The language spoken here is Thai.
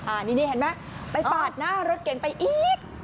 อ้านี่เห็นไหมไปปอดน่ารดเก่งไปอีก